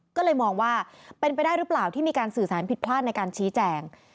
ก็เลยมองว่าเป็นไปได้หรือเปล่าที่มีการสื่อสารผิดพลาดในการชี้แจง